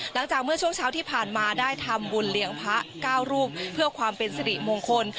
หลังจากเมื่อช่วงเช้าที่ผ่านมาได้ทำบุญเลี้ยงพระเก้ารูปเพื่อความเป็นสิริมงคล